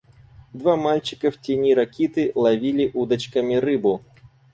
Два мальчика в тени ракиты ловили удочками рыбу.